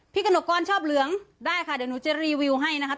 กระหนกกรชอบเหลืองได้ค่ะเดี๋ยวหนูจะรีวิวให้นะครับ